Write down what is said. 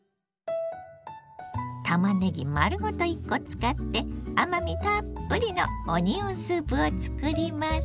たまねぎ丸ごと１コ使って甘みたっぷりのオニオンスープを作ります。